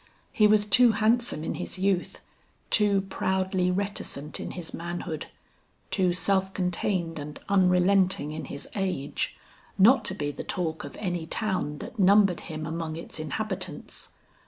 He was too handsome in his youth, too proudly reticent in his manhood, too self contained and unrelenting in his age, not to be the talk of any town that numbered him among its inhabitants.